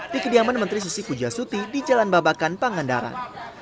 di kediaman menteri susi pujasuti di jalan babakan pangandaran